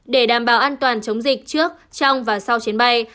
để đảm bảo an toàn chống dịch trước trong và sau chuyến bay